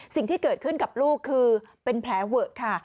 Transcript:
สิ่งที่เกิดขึ้นกับลูกคือเป็นแผลเวอะค่ะ